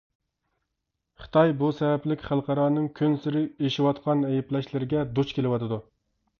خىتاي بۇ سەۋەبلىك خەلقئارانىڭ كۈنسېرى ئېشىۋاتقان ئەيىبلەشلىرىگە دۇچ كېلىۋاتىدۇ.